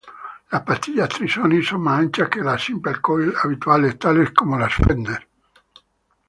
Las pastillas Tri-Sonics son más anchas que las single-coil habituales tales como las Fender.